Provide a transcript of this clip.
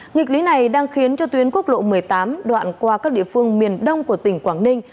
nghịch lý này đang khiến cho tuyến quốc lộ một mươi tám đoạn qua các địa phương miền đông của tỉnh quảng ninh